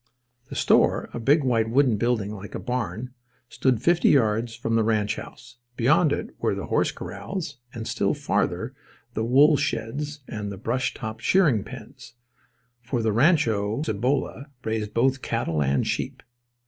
The store, a big, white wooden building like a barn, stood fifty yards from the ranch house. Beyond it were the horse corrals; and still farther the wool sheds and the brush topped shearing pens—for the Rancho Cibolo raised both cattle and sheep.